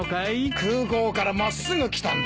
空港から真っすぐ来たんだ。